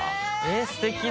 えっすてき。